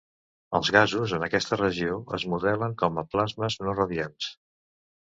Els gasos en aquesta regió es modelen com a plasmes no radiants.